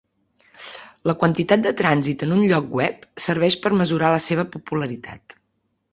La quantitat de trànsit en un lloc web serveix per mesurar la seva popularitat.